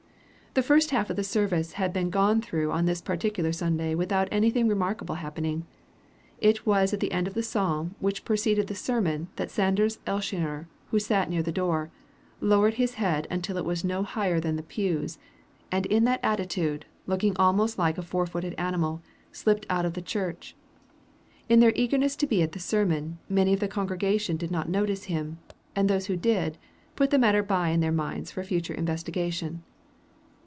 The first half of the service had been gone through on this particular Sunday without anything remarkable happening. It was at the end of the psalm which preceded the sermon that Sanders Elshioner, who sat near the door, lowered his head until it was no higher than the pews, and in that attitude, looking almost like a four footed animal, slipped out of the church. In their eagerness to be at the sermon, many of the congregation did not notice him, and those who did, put the matter by in their minds for future investigation.